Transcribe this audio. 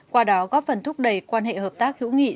qua đó góp phần thúc đẩy quan hệ hợp tác hữu nghị